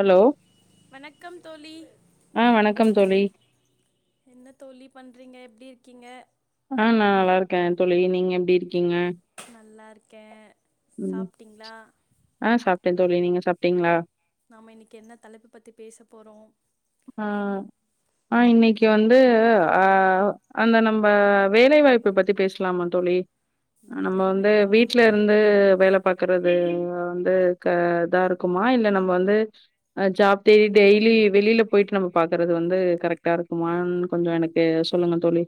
Hello வணக்கம் தோழி ஆ வணக்கம் தோழி என்ன தோழி பண்றீங்க எப்டி கிங்க அ நா நல்லாருக்க தோழி நீங்க எப்டி இருக்கீங்க நல்லா இருக்கே சாப்ட்டீங்ளா அ சாப்ட்ட தோழி நீங்க சாப்ட்டீங்ளா நாம இன்னக்கி என்ன தலைப்பு பத்தி பேச போறோ அ அ இன்னக்கி வந்து அ அந்த நம்ப வேலை வாய்ப்ப பத்தி பேஸ்லாமா தோழி நம்ம வேலை வந்து வாய்ப்பா வீட்டல இருந்து வேல பாக்குறது வந்து இதா இருக்குமா இல்ல நம்ம வந்து ஜாப் தேடி டெய்லி வெளில போயிட்டு நம்ப பாக்குறது வந்து கரெக்டா இருக்குமான்னு கொஞ்ச எனக்கு சொல்லுங்க தோழி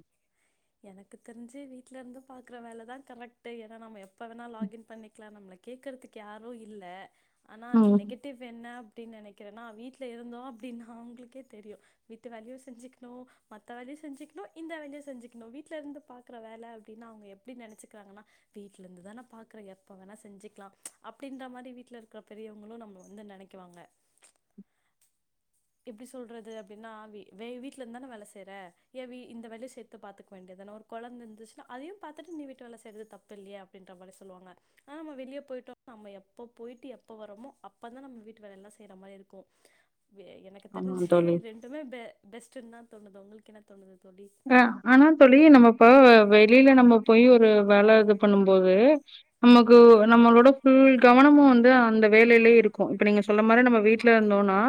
எனக்கு தெரிஞ்சு வீட்ல இருந்து பாக்குற வேலைதா கரெக்ட்டு ஏனா நம்ம எப் ப்ப வேணா லாகின் பண்ணிக்லா நம்ள கேக்கற்துக்கு யாரு இல்ல அனா ம் நெகட்டிவ் என்ன தி நெனக்கிறனா வீட்ல இருந்தோ அப்டின்னா அவங்ளுக்கே தெரியு விட்டு வேல செஞ்சுக்ணு மத்த வேலயு செஞ்சுக்ணு இந்த வேல்யு செஞ்சுக்ணு வீட்ல இருந்து பாக்குற வேல அப்டின்னா அவ்ங்க எப்டி நெனச்சுக்கிறாங்கனா வீட்ல இருந்துதா நா பாக்குற எப்ப வேணா செஞ்சுக்லா அப்டின்ற மாரி வீட்ல இருக்குற பெரியவுங்ளு நம்ப வந்து நெனக்குவாங்க எப்டி சொல்றது அப்டின்னா வி வே வீட்ல இருந்தான வேல செய்ற ஏ இந்த வேலய பாத்தா வேண்டியதுானா ஒரு குழந்தை இருந்துச்சன்னா அதையும் பாார்த்துட்டு நீ வீட்டு வேல செய்றது தப்பு இல்லயே அப்படின்ற மாதுரி சொல்லுவாங்க ஆனா நம்ம வெளியே போயிட்டோ நம்ம எப்ப போயிட்டு எப்ப வரோமோ அப்பதா நம்ம வீட்டு வேலய எல்லா செய்ற மாதுரி இருக்கு எனக்கு ஆமா தெரிஞ்சு தோழி ரெண்டுமே பெ பெஸ்ட்டுன்தா உங்ளுக்கு என்ன தோணுது தோழி அ ஆனா தோழி நம்ம இப்ப வெளியல நம்ம போய் ஒரு வேல இது பண்ணும போது நமக்கு நம்ளோட பஃபுல் கவனமும் வந்து அந்த வேலைலே இருக்கு இப்ப நீங்க சொல்ல மாதுரி நம்ம வீட்ல இருந்தோம்னா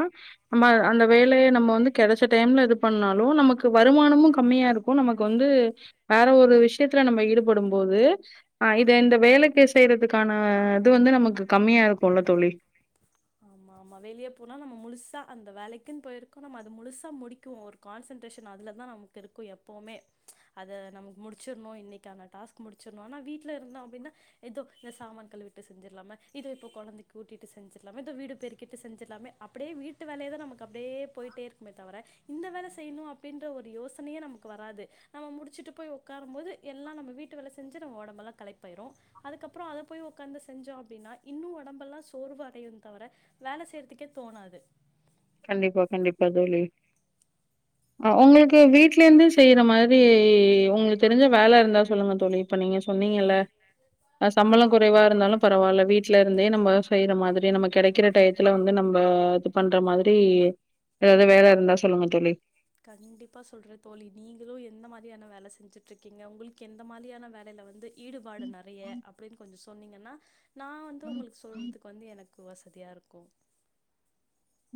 நம்ம அந்த வேலய நம்ம வந்து கெடைச்ச டைம்ல இது பண்ணாலு நமக்கு வருமானமு கம்மியா இருக்கு நமக்கு வந்து வேற ஒரு விஷ்யத்துல நம்ம ஈடுபடு போது தே இந்த வேலக்கே செய்றதுக்கான இது வந்து நமக்கு கம்மியா இருக்குல தோழி ஆமா ஆமா வெளிய போனா நம்ம முழுசா அந்த வேலைக்குன் போயிருக்கோ நம்ம அது முழுசா முடிக்குமல் ஒரு கான்சென்ட்ரேஷன் அதுலாத நமக்கு இருக்கு எப்பவுமே அத நமக்கு முடிச்சிடணு இன்னைக்கானந்த டாஸ்க் முடிச்சிடணு ஆனா வீட்டுல இருந்தோ அப்படின்னா ஏதோ இந்த சாமான் கழுவிட்டு செஞ்சிரலாம இதோ இப்போ கொழந்தைக்கு ஊட்டிட்டு செஞ்ச தோ வீடு பெருக்கிட்டு செஞ்சிர்லாமே அப்புடே வீட்டு வேலயதா நமக்கு அப்டே பொய்ட்டே இருக்குமே தவிர இந்த வேல செய்யணு அப்டின்ற ஒரு யோசனயே நமக்கு வராது நம்ம முடிச்சுட்டு போய் உக்கார போது எல்லா நம்ம வீட்டு வே செஞ்ச ஒடம்பல்லா கலைப்பா அதுக்கப்போ உக்காந்து செஞ்சோ அப்டினா இன்னு ஒடம்பல்லா சோர்வு அடையு தவர வேல செய்யறதுக்கே தோணாது கண்டிப்பா கண்டிப்பா தோழி அ உங்ளுக்கு வீட்லந்தே செய்ற மாரி உங்ளுக்கு தெரிஞ்ச வேலருந்தா சொல்லுங்க தோழி இப்ப நீங்க சொன்னீங்கல்ல சம்பள குறைவாருந்தாலு பரவால்ல வீட்லருந்தே நம்ம செய்ற மாதிரி நம்ம கிடைக்கிற டையத்துல வந்து நம்ம இது பண்ற மாதுரி டி எதாவ்து வேல இருந்தா சொல்லுங்க தோழி கண்டிப்பா சொல்ற தோழி நீங்களு எந்த மாரியான வேல செஞ்சுட்ருக்கீங்க உங்ளுக்கு எந்த மாரியான வேலைல வந்து ஈடுபாடு நறய அப்டின் கொஞ்சு சொன்னிங்கன்னா நா வந்து உங்ளுக்கு சொல்றதுக் வந்து எனக் வசதியாருக்கு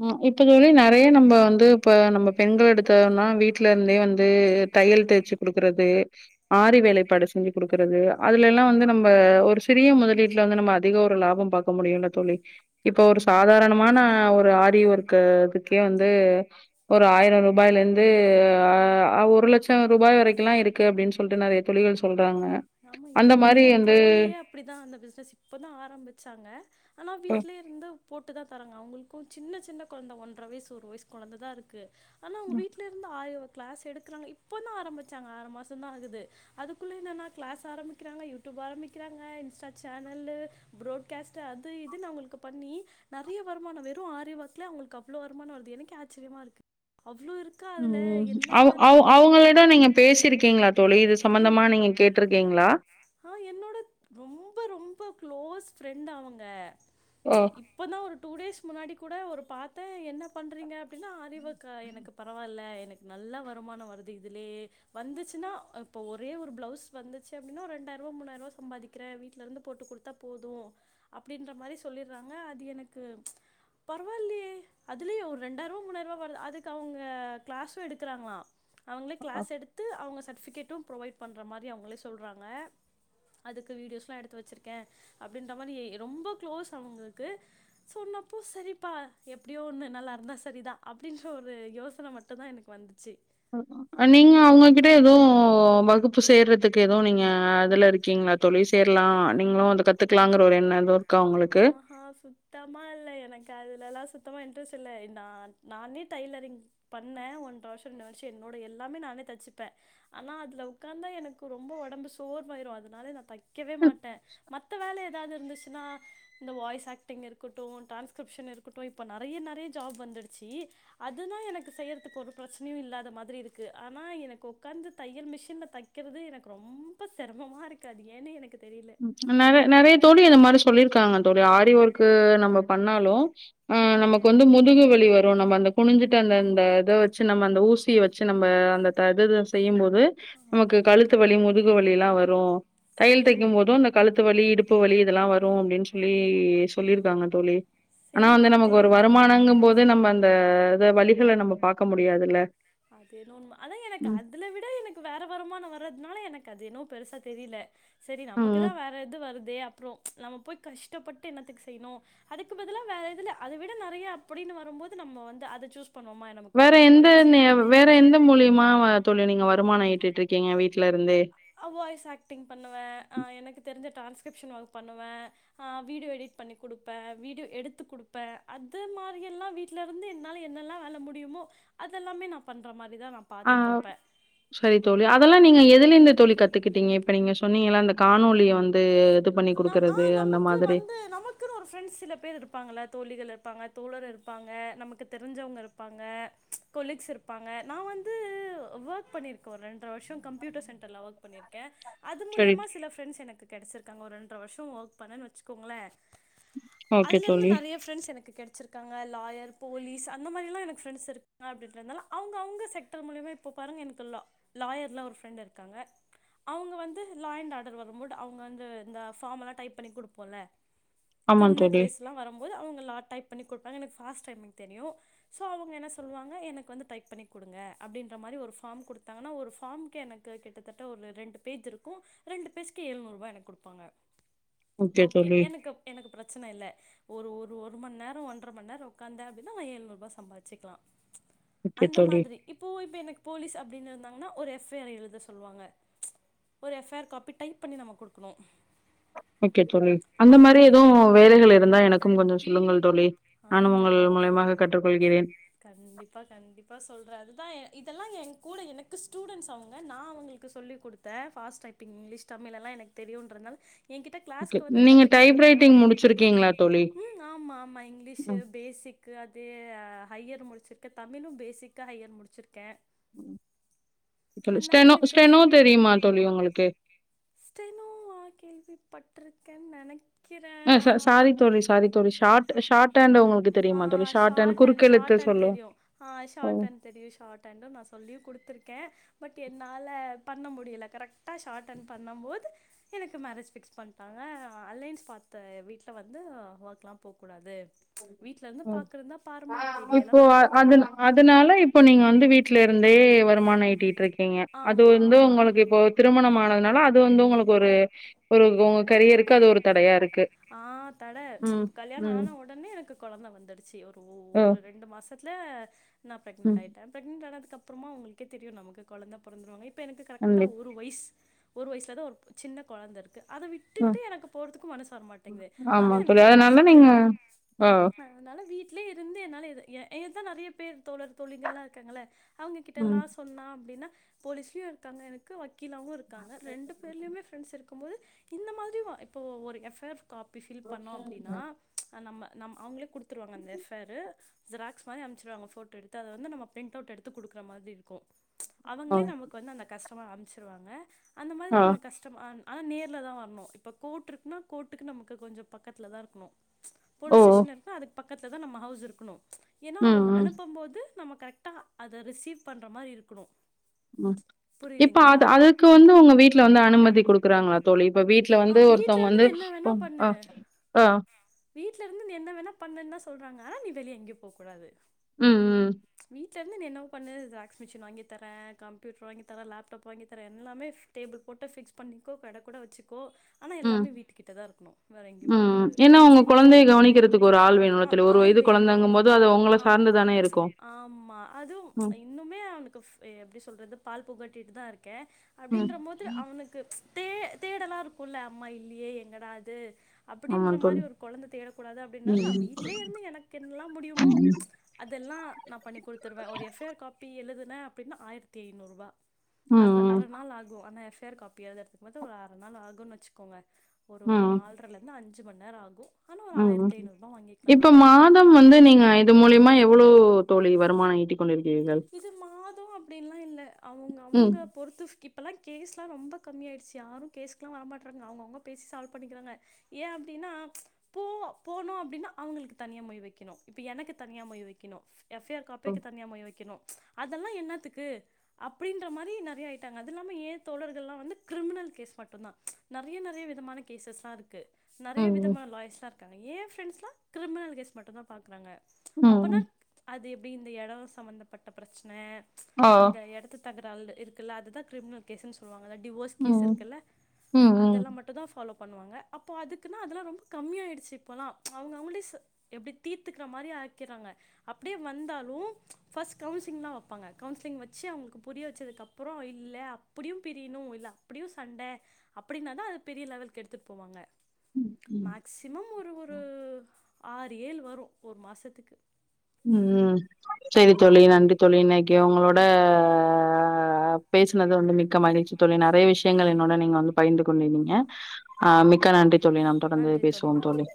அ இப்ப தோழி நறய நம்ம வந்து இப்ப நம்ம பெண்கள் எடுத்தோனா வீட்லருந்தே வந்து தையல் தேச்சு குடுக்கறது ஆரி வேலைப்பாடு செஞ்சு குடுக்குறது அதுலலா வந்து நம்ம ஒரு சிறிய முதலீட்ல வந்து நம்ம அதிக ஒரு லாபம் பாக்க முடியுல தோழி இப்ப ஒரு சாதாரணமான ஒர் ஆரி ஓர்க்கு குக்கே வந்து ஒரு ஆயிரோ ரூபாய்ல இருந்து அ ஒரு லட்சம் ரூபாய் வரைக்குலா இருக்கு அப்டின் சொல்ட்டு நெறைய தோழிகள் சொல் ஆமா இப்ப ஏ தோழியே அப்டிதா அந்த பிஸ்னஸ் இப்பதா ஆரம்பிச்சாங்க ஆனா ம் வீட்ல இருந்து போட் ட்டுதா தராங்க அவுங்ளுக்கு சின்ன சின்ன கொழந்த ஒன்ர வயசு ஒரு வயசு கொழந்ததா இருக்கு ஆனா ஒங்க வீட்லருந்து ஆயோ கிளாஸ் எடுக்குறாங்க இப்பதா ஆரம்பிச்சாங்க ஆறு மாசந்தா ஆகுது அதுக்குள்ள என்னானா கிளாஸ் ஆரம்பிக்கிறாங்க யூடியூப் ஆரம்பிக்கிறாங்க இன்ஸ்டா சேனலு ப்ரோட்கேஸ்ட்டு அது இதுனு அவுங்ளுக்கு பண்ணி நெறைய வருமானோ வெறு ஆரி ஒர்க்லயே அவுங்ளுக்கு அவ்ளோ வருமானம் வருது எனக்கே ஆச்சரியமாருக்கு ம் அவு அவு அவுங்க கிட்ட நீங்க பேசிருக்கீங்ளா தோழி இது சம்பந்தமா நீங்க கேட்ருக் ஆ என்னோட ரொம்ப ரொம்ப க்ளோஸ் ஃப்ரெண்டு அவுங்க ச் ஓ! இப்பதா ஒரு டூ டேஸ் முன்னாடி கூட ஒரு பாத்தே என்ன பண்றீங்க அப்டினா ஆரி ஒர்க் க்கா எனக்கு பரவா இல்ல எனக்கு நல்ல வருமானோ வருது இதுலயே வந்துச்சுன்னா இப்போ ஒரே ஒரு ப்ளவுஸ் வந்துச்சு அப்டினா ஒரு ரெண்டாயிரூவா மூணாயிரூவா சம்பாதிக்றே வீட்லருந்து போட்டு குடுத்தா போது அப்டின்ற மாரி சொல்லிறாங்க அது எனக்கு ச் பரவால்லியே அதுலயே ஒரு ரெண்டாயிருவா மூணாயிருவா வருது அதுக்கு அவுங்க கிளாஷு எடுக்குறாங்ளா அவுங்ளே கிளாஸ் எடுத்து அவுங்க சட் சட்பிகேட்டு புரவைட் பண்ற மாரி ரி அவுங்ளே சொல்றாங்க அதுக்கு வீடியோஸ்லா எடுத்து வச்சிருக்கே அப்டின்ற மாரி ரொம்ப க்ளோஸ் அவுங்ளுக்கு சொன்னப்போ சரிப்பா எப்டியோ ஒன்னு நல்லாருந்தா சரிதா அப்டின்ற ஒரு யோசன மட்டுந்தா எனக்கு வந்துச்சு நீங்க அவுங்ககிட்ட எது வகுப்பு சேர்றதுக்கு எது நீங்க அதுல இருக்கீங்ளா தோழி சேர்லா நீங்ளு அத கத்துக்கலாங்கற ஒரு எண்ண எது ஹாஹா சுத்தமா இல்ல எனக்கு அதுலலா சுத் சுத்தமா இன்ட்ரஸ்ட் இல்ல நா நானே டைலரிங் பண்ணே ஒன்ற வருஷோ ரெண்டு வருஷோ என்னோட எல்லாமே நானே தச்சிப்பே ஆனா அதுல உக்காந்தா எனக்கு ரொம்ப ஒடம்பு சோர்வாயிரு அதுனால நா தக் க்கவே மாட்டே மத்த வேல ஏதாது இருந்துசுனா இந்த வாய்ஸ் ஆக்டிங் இருக்கட்டு டிரான்ஸ்கிரிப்ஷன் இருக்கட்டு இப்ப நெறைய நெறைய ஜாப் வந்துடுச்சி அதுதா எனக்கு செய்றதுக்கு ஒரு பிரச்சனையு இல்லாத மாதிரி இருக்கு ஆனா எனக்கு உக்காந்து தையல் மிஷின்ல தக்கறது எனக்கு ரொம்ப சிரமமாருக்கு அது ஏன்னு எனக்கு தெரியல நெறை நெறைய தோழி இந்த மாரி சொல்லிருக்காங்க தோழி ஆரி ஒர்க்கு க்கு நம்ம பண்ணாலு ஆ ம் நமக்கு வந்து முதுகு வலி வரு நம்ம அந்த குனுஞ்சுட்டு அந்த அந்த இத வச்சு நம்ம அந்த ஊசிய வச்சு நம்ப அந்த த துது செய்யும் போ து நமக்கு கழுத்து வலி முதுகு வலில்லா வரு தையல் தக்கிம் சேமே போ து அந்த கழுத்து வலி இடுப் ப்பு வலி இதல்லா வரு அப்படின் சொல்லி சொல்லிருக்காங்க தோழி ஆனா சேம் வந்து நமக்கு ஒரு அதேதா வருமானங்கும் போது நம்ம அந்த த வலிகள நம்ம பாக்க முடியாதுல்ல அதேனோ அதா எனக்கு ம். அதுல விட எனக்கு வேற வருமானம் வர்றத்னால எனக்கு அதேனோ பெருசா தெரில சரி நமக்கு ம். தா வேற எது வருத் தே அப்றம் நம்ம போய் கஷ்டப்பட்டு என்னத்துக்கு செய்யணும் அதுக்கு பதிலா வேறதுல அதவிட நெறையா அப்புடின்னு வரும்போது நம்ம வந்து அத சூஸ் பண்வோமா நமக்கு வேற ஒடம்பு எந்த வளிச்சி நே வேற எந்த மூலியமா வ தோழி நீங்க வருமானம் ஈட்டுட்ருக்கீங்க வீட்ல இருந்தே அ வாய்ஸ் ஆக்டிங் பண்ணுவேன் அ எனக்கு தெரிஞ்ச டாஸ்க் ட்யூஷன் ஓக் பண்ணுவேன் வீடியோ எடிட் பண்ணி குடுப்பேன் வீடியோ எடுத்துக் குடுப்பேன் அது மாரியெல்லாம் வீட்ல இருந்து என்னால என்னெல்லாம் வேல முடியுமோ அதெல்லாமே நான் பண்றமாரி ஆ சரி தோழி அதெல்லா நீங்க எதுல இந்து தோழி கத் கத்துக்கிட்டீங்க இப்ப நீங்க சொன்னீங்கள அந்த காணொலிய வந்து இது பண்ணி ந ஆ குடுக்கறது அந்த நமக்கு மாதிரி. வந்து நமக்குனு ஒரு ஃப்ரெண்ட்ஸ் சில பேர் இருப்பாங்கள தோழிகள பாங்க தோழர் இருப்பாங்க நமக்கு தெரிஞ்சவுங்க இருப்பாங்க கொலீக்ஸ் இருப்பாங்க நா வந்து ஒர்க் பண்ணிருக்கோ ரெண்ட்ர வருஷம் கம்யூட்டர் சென்டர்ல ஒர்க் பண்ணிருக்கே அது சரி. மூலியமா சில ஃப்ரெண்டஸ் எனக்கு கெடச்சுர் கங்கோரு ர வருஷோ ஒர்க் பண்ணன்னு வச்சுக்கோங்களேன் ஓகே அதுலருந்து தோழி. நெறைய ப்ரெண்ட்ஸ் எனக்கு கெடச்சிருக்காங்க லாயர் போலீஸ் அந்த மாரிலாம் எனக்கு ஃப்ரெண்ட்ஸ் இரு அப்டின்றதனால அவுங்க அவுங்க செக்டர் மூலியமா இப்போ பாருங்க் எனக்கு லா லாயர்ல ஒரு ஃப்ரெண்ட் இருக்காங்க அவுங்க வந்து லா அண்ட் ஆர்டர் வரும்பொழ்து அவுங்க வந்து இந்த ஃபார்மல்லாம் டைப் பண்ணி குடுப்போல்ல ஆமாம் கிரிம்னல் தோழி. க்ளேஸ்லாம் வரும்போது அவுங்க லா டைப் பண்ணி குடுப்பா எனக் ஃபாஸ்டைபிங் தெரியும் ஸோ அவுங்க என்ன சொல்வாங்க எனக்கு வந்து டைப் பண்ணி குடுங்க அப்படின்ற மாரி ஒரு ஃபார்ம் குடுத்தாங்கன்னா ஒரு ஃபாம்க்கே எனக்கு கிட்டத்தட்ட ஒரு ரெண்டு பேஜ் இருக்கும் ரெண்டு பேஜ்க்கு எழுநூறுூவா எனக்கு குடுப்பாங்க ஓகே எனக்கு எனக்கு பிரச்சன இல்ல ஒரு ஒரு ஒருமந்நேரம் ஒன்றமந்நேரம் உக்காந்தே அப்படின்னா நா எழுநூறுூவா சம்பாச்சிக்லாம் ஓகே அந்த தோழி. மாதிரி இப்போ இப்ப எனக்கு போலீஸ் அப்படின் இந்தாங்னா ஒரு எஃப் ஐ ஆர் எழுத சொல்வாங்க ஒரு F I R copy type பண்ணி நம்ம குடுக்கணு ஓகே தோழி அந்த மாரி எதுவும் வேலைகள் இருந்தா எனக்கும் கொஞ்சம் சொல்லுங்கள் தோளி அ கண் கண்டிப்பா கண்டிப்பா சொல்ற அதுதான் இதெல்லாம் என்கூட எனக்கு ஸ்டூடன்ஸ் அவுங்க நா அவுங்களுக்கு சொல்லி குடுத்தேன் ஃபாஸ்டைபிங் இங்கிலீஷ் தமிழ் எல்லாம் எனக்கு தெரியுன்றதனால என்கிட்ட ஓகே. கிளாஸ்க்கு வந்து நீங்க கத்துக்கிட்டது டைப் மூலமா ரைட்டிங் முடிச்சிருக்கீங்களா தோழி? ஆமா ஆமா ம். பேசிக் அது ஹையர் முடிச்சிருக்கேன் தமிழும் பேசிக்காக ஹையர் முடிச்சிருக்கேன் ஸ்டெனோ ஸ்டெனோ தெரியுமா தோழி உங்களுக்கு ஸ்டெனோவா கேள்விப்பட்ருக்கேன் நினைக் ஆ ச சாரி தோழி சாரி தோழி short short ட்டண்டங்க [unintelligible] ah short and short and சொல்லும். தெரியும் ஆஹ் ஓ! ஷார்ட் அண்ட் தெரியும் ஷார்ட் அண்ட் நான் சொல்லி குடுத்துருக்கேன் பட் என்னால பண்ண முடியலை கரெக்டா ஷார்ட் அண்ட் பண்ணும் போது எனக்கு மேரேஜ் ஃபிக்ஸ் பண்ணிட்டாங்க அலைன்ஸ் பார்த்த வீட்ல வந்து ஒர்க்லாம் போக்கூடாது வீட்ல இருந்து பாக்குறதுந்தா பாருமா வெளியலா இப்போ நாங்க அனுப்ப மாட்டோ அதனால இப்போ நீங்க வந்து வீட்ல இருந்தே வருமானம் ஈட்டிட் கிங்க அது ஆமா வந்து ஆமா உங்களுக்கு இப்போ திருமணமான அதனால அது வந்து உங்களுக்கு ஒரு ஒரு உங்க கெரியருக்கு அது ஒரு தடையா இருக்கு ஆ தட ம் இப்ப கல்யாணம் ம் ஆன உடனே எனக்கு குழந்தை வந்துடுச்சு ஒரு ஓ ஒரு ரெண்டு மாசத் ல நான் ப்ரெக்னண்ட் ம் ஆயிட்டேன் ப்ரெக்னன்ட் ஆனதுக்கு அப்புறமா உங்களுக்கே தெரியும் நமக்கு குழந்தை பிறந்தருவங்க னக்கு கரெக்டா கண்டிப் ஒரு வயசு ஒரு வயசுல தான் ஒரு சின்ன குழந்தை இருக்கு அதை அ விட்டுட்டு எனக்கு க்கும் மனசு வர மாட்டேங்குது ஆனா ஆமா தோழி எனக்கு அதனால காசும் நீங்க தேவை ஓ அதனால ஆனா வீட்லயே இருந்து என்னால ஏதான் நிறைய பேர் தோழர் தோழிகள் எல்லாம் இருக்காங்கள ம் அவங்ககிட்டல்லாம் சொன்னா அப்படின்னா போலிஸ் லயும் இருக்காங்க எனக்கு வக் கீளாவும் இருக்காங்க ரெண்டு பேர்லயுமே ஃரெண்ட்ஸ் இருக்கு க்கும் போது இந்த மாதிரி இப்போ ஒரு எஃபர் காப்பி ஃபில் பண்ணோம் அப்படின்னா நம்ம நம் அவங்களே கொடுத்துருவாங்க அந்த எஃப்ஆர் ஜெராக்ஸ் மாரி அனுப்புச்சுடுவாங்க ஃபோட்டோ எடுத்து அதை வந்து நம்ம பிரிண்ட் அவுட் எடுத்து கொடுக்குற மாதிரி இருக்கும் ஓ அவங்களே நமக்கு வந்து அந்த கஷ் அம்பிச்சிருவாங்க அந்த மாதிரி ஆ நம்ம கஷ்டமான் ஆனா நேர்ல தா வர்னோ இப்போ கோட் இருக்குன்னா கோட்டுக்கு நமக்கு கொஞ்சோ பக்கத்தில தா இருக்னோ ஓ போலீஸ் ஸ்டேஷ லருந்து அதுக் பக்கத்தில தா நம்ம ஹவுஸ் இருக்னோ ஏனா ம் அவுங்க ம் அனுப்பம் போது நம்ம கரெக்டா அத ரிசீவ் பண்ற மாரி இருக்கணு ம் இப்ப அது அதுக்கு வந்து உங்க வீட்ல வந்து அனுமதி கொடுக் ருக்காங்களா தோழி இப்ப வீட்ல ஆ வந்து வீட்ல ஒருதவங்க இருந்து வந்து நீ என்ன வேணா பண்ணு அ ஆ ஆ வீட்ல இருந்து நீ என்ன வேணா பண்ணு தா சொல்றாங்க நீ வெளியே எங்கெயு போ கூடாது ம் ம் ட்ல இருந்து நீ என்னவோ பண்ணு ஜெராக்ஸ் மிஷின் வாங்கி தரே கம்ப்யூட்டர் வாங்கி தரே லப்டாப் வாங்கி தரே எல்லாமே ஃப் டேபிள் போட்டு ஃபிக்ஸ் பண்ணிக்கோ கட கூட வச்சுக்கோ ஆனா ம் எல்லாமே வீட்டுக்கிட்ட தா இருக்கணோ வேற எங்கேயு போக்கூடாது ஒங்க கொழந்தைய கவனிக்கிறதுக்கு ஒரு ஆள்வேனுல தோழி ஒரு ஆள் வயது வேணு கொழந்தங்க போது அது உங்கள ஆம் சார்ந்துதானே இருக்கோ ஆமா அதுவு ம் இன்னுமே அவனுக்கு எப்டி சொல்றது பால் புகட்டிட்டு தா இருக் கே ம். அப்டின்றம்போது அவனுக்கு தே தேடலா இருக்குல்ல அம்மா இல்லையே என்னாடா இது ஆமா அப்டின்ற மாரி தோழி. ஒரு வந்து தேடக்கூடாது அப்டின்னால் நா ம். வீட்லேயே இருந்து எனக்கு என்னல்லா முடியுமோ அது இதெல்லா நா பண்ணி கொடுத்துருவ ஒரு எஃப் ஐ ஆர் காப்பி எழுதுனே அப்டின்னா ஆயிரத்தி ஐநூருபா ம். அர ம். அர நாள் ஆகோ அனா F F I R copy எழுதுறதுக்கு வந்து ஒரு அர நாள் ஆகுனு வச்சுக்கோங்க ஒரு ம். ஒரு ம். நால்ர லந்து அன் சு மண்நேரோ ஆகோ ம் இப்ப மாதம் வந்து நீங்க இது மூலியமா எவ்ளோ தோழி வருமான ஈட்டி இது மாதம் அப்டின்லா இல்ல அவுங்க ம். அவுங்க பொறுத்து இப்பல்லா கேஸ் லா ரொம்ப கம்மியாயிடுச்சு யாரு கேஸ்குலா வரமாட்றாங்க அவங்க அவங்க பேசி சால்வ் பண்ணிக்கிறாங்க ஏ அப்டின்னா போ போனோ அப்டின்னா அவங்களுக்கு தனியா மொயி வைக்கணு இப்ப எனக்கு தனியா மொயி வைக்கணு எஃப் ஐ ஆர் காப்பிக்கு ம். தனியா மொய் வைக்கணு அதெல்லா என்னத்துக்கு அப்டின்ற மாரி நறைய ஆயிட்டாங்க அது இல்லாம ஏ தோழர்கள்லா வந்து கிரிமினல் கேஸ் மட்டு தா நறைய நறைய விதமான கேசஸ்லா இருக்கு நறைய ம். விதமா லாயர்ஸ்லா இருக் காங்க ஏ ப்ரெண்ட்ஸ்லா கிரிமினல் கேஸ் மட்டு தா பாக்குறாங்க அப்பனா ம். அது இப்டி இந்த எடோ சம்மந்தப் பட்ட பிரச் சன ஆ. இந்த எடத்து தகரால்லு இருக்குல்ல அதுதா கிரிமினல் கேஸ்சுன் சொல்லுவாங் க டிவோர்ஸ்கேஸ் ம். இருக்குல்ல ம். ம். அதெல்லா மட்டுந்தா ஃபாலோ பண்ணுவாங்க அப்போ அதுக்குன்னா அதுல்லா ரொம்ப கம்மியாயிடிச்சி இப்போல்லா அவங்க அவங்களேச் எப்டி தீத்துக்குற மாரி ஆக்கிறாங்க அப்டியே வந்தாலு ஃபஸ் கவுன்சிலிங்தா வெப்பாங்க கவுன்சிலிங்க் வெச்சு அவங்களுக்கு புரிய வெச்சதுக்கப்றோ இல்ல அப்டியு பிரியணு இல்ல அப்டியு சண்ட அப்டின்னா தா அது பெரிய லெவல்க்கு எடுத்துட் போவாங்க ம். மேக்சிமம் ஒரு ஒரு ஆறு ஏழ் வரு ஒரு மாசத்துக்கு ம் செரி தோழி நன்றி தோழி இன்னக்கி உங்ளோட பேஸ் னது வந்து மிக்க மகிழ்ச்சி தோழி நெறைய விஷ் யங்கள என்னோட நீங்க வந்து பகிர்ந்து கொண்டிருந்தீங்க அ மிக் க்க நன்றி தோழி நாம் தொடர்ந்து நன்றி பேசுவோ தோழி நன்றி